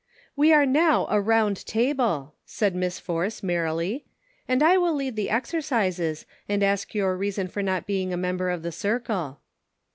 " Now we are a * Round table,' " said Miss Force, merrily, "and I will lead the exercises and ask your reason for not being a mem ber of the circle."